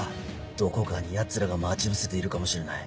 どこかに奴らが待ち伏せているかもしれない。